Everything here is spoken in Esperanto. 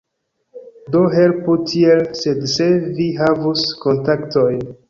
Do helpu tiel, sed se vi havus kontaktojn